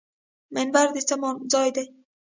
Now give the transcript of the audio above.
منبر د څه ځای دی؟